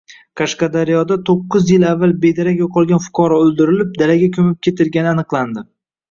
Qashqadaryodato´qqizyil avval bedarak yo‘qolgan fuqaro o‘ldirilib, dalaga ko‘mib ketilgani aniqlandi